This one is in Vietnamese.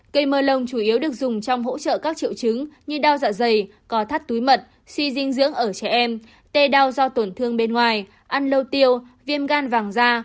cây mơ lông chủ yếu được dùng trong hỗ trợ các triệu chứng như đau dạ dày cò thắt túi mật suy dinh dưỡng ở trẻ em tê đau do tổn thương bên ngoài ăn lâu tiêu viêm gan vàng da